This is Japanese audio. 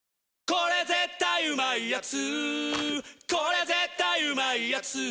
これ絶対うまいやつ」